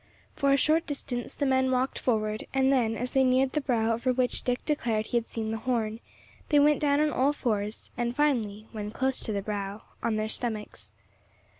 For a short distance the men walked forward, and then, as they neared the brow over which Dick declared he had seen the horn, they went down on all fours, and finally, when close to the brow, on their stomachs.